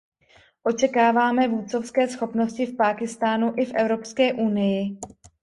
Očekáváme vůdcovské schopnosti v Pákistánu i v Evropské unii.